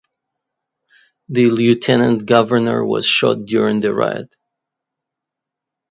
The lieutenant governor was shot during the riot.